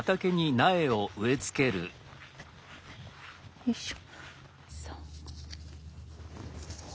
よいしょ。